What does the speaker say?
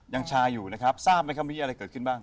ยังชาอยู่นะครับทราบไหมครับมีอะไรเกิดขึ้นบ้าง